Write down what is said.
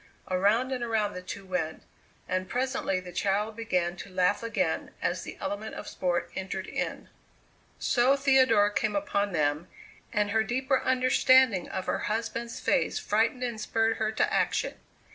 Around and around the two went, and presently the child began to laugh again as the element of sport entered in. So Theodora came upon them, and her deeper understanding of her husband's face frightened and spurred her to action.